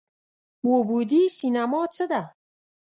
اووه بعدی سینما څه ده؟